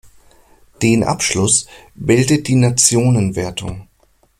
Den Abschluss bildet die Nationenwertung.